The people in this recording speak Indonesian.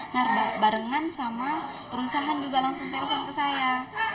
nah barengan sama perusahaan juga langsung telpon ke saya